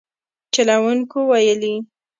چلوونکو ویلي